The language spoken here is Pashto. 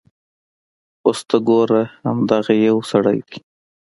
اوس ته ګوره همدغه یو سړی دی.